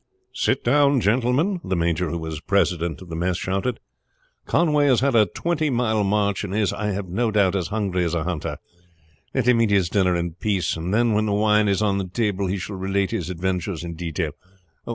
"Sit down, gentlemen!" the major who was president of the mess shouted. "Conway has had a twenty mile march, and is, I have no doubt, as hungry as a hunter. Let him eat his dinner in peace, and then when the wine is on the table he shall relate his adventures in detail.